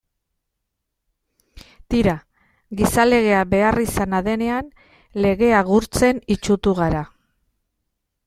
Tira, gizalegea beharrizana denean legea gurtzen itsutu gara.